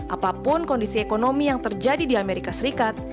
apapun kondisi ekonomi yang terjadi di amerika serikat